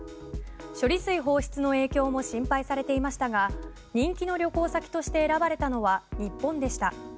処理水放出の影響も心配されていましたが人気の旅行先として選ばれたのは日本でした。